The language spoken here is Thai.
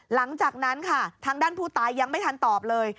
หลังจากนั้นค่ะทางด้านผู้ตายยังไม่ทันตอบเลย